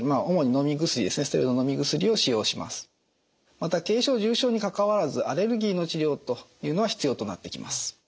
また軽症重症にかかわらずアレルギーの治療というのは必要となってきます。